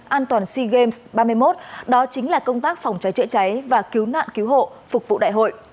an toàn sea games ba mươi một đó chính là công tác phòng cháy chữa cháy và cứu nạn cứu hộ phục vụ đại hội